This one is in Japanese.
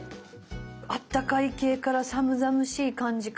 あったかい系から寒々しい感じから。